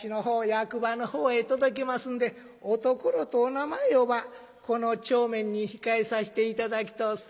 役場の方へ届けますんでおところとお名前をばこの帳面に控えさせて頂きとおす。